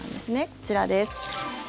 こちらです。